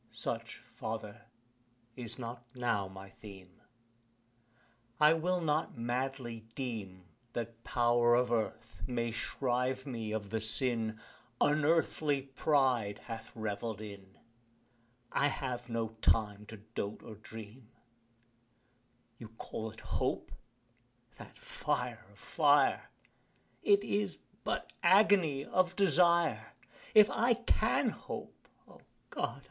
Such, father, is not (now) my theme I will not madly deem that power Of Earth may shrive me of the sin Unearthly pride hath revell'd in I have no time to dote or dream: You call it hope that fire of fire! It is but agony of desire: If I can hope O God!